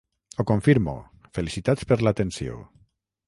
Ho confirmo, felicitats per l'atenció.